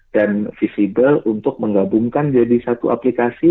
dan visibel untuk menggabungkan jadi satu aplikasi